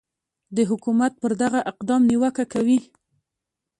د حکومت پر دغه اقدام نیوکه کوي